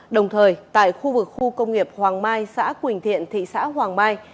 đồng thời tại khu vực khu công nghiệp hoàng mai xã quỳnh thiện thị xã hoàng mai